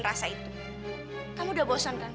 alva udah sampe